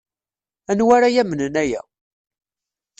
Aniwa ara yamnen aya?